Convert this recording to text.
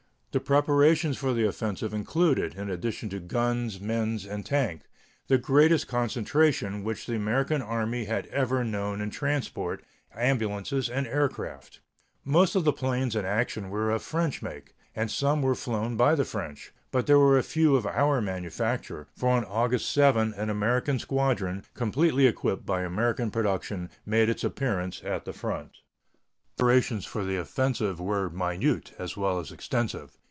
The preparations for the offensive included, in addition to guns, men, and tanks, the greatest concentration which the American Army had ever known in transport, ambulances, and aircraft. Most of the planes in action were of French make, and some were flown by the French, but there were a few of our manufacture, for on August 7 an American squadron, completely equipped by American production, made its appearance at the front. The preparations for the offensive were minute as well as extensive.